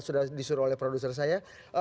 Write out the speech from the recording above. sudah disuruh oleh produser saya